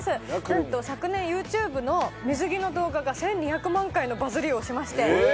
なんと昨年ＹｏｕＴｕｂｅの水着の動画が１２００万回のバズりをしましてええ！